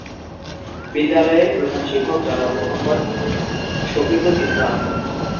বিদ্যালয়ের প্রধান শিক্ষক জনাব মোহাম্মদ শফিকুল ইসলাম।